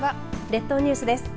列島ニュースです。